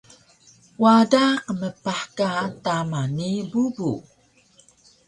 Wada qmpah ka tama ni bubu